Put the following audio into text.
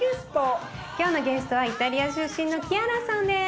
今日のゲストはイタリア出身のキアラさんです。